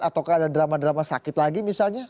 ataukah ada drama drama sakit lagi misalnya